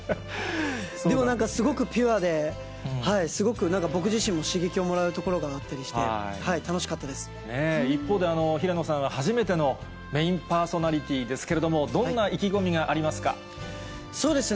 でもなんか、すごくピュアで、すごく僕自身も刺激をもらえるところがあったりして、楽しかった一方で、平野さんは初めてのメインパーソナリティーですけれども、どんなそうですね。